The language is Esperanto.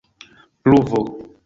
pluvo